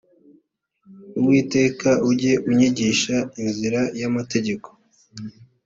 uwiteka ujye unyigisha inzira y amategeko